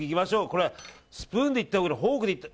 これ、スプーンでいくかフォークでいくか。